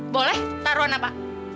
boleh taruhan apa